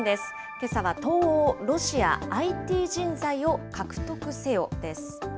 けさは東欧・ロシアＩＴ人材を獲得せよです。